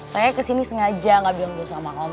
raya kesini sengaja gak bilang bersama om